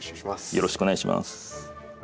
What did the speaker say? よろしくお願いします。